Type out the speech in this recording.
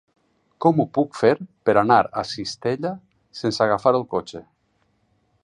Com ho puc fer per anar a Cistella sense agafar el cotxe?